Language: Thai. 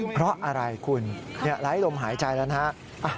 เพราะอะไรคุณไร้ลมหายใจแล้วนะฮะ